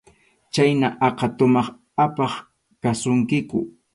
Chhayna aqha tumaq apaq kasunkiku.